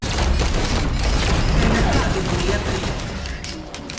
შენობა აგებულია ქვიშაქვით.